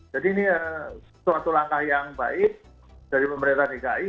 jadi ini suatu langkah yang baik dari pemerintah dki